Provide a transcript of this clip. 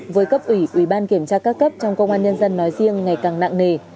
với cấp ủy ủy ban kiểm tra các cấp trong công an nhân dân nói riêng ngày càng nặng nề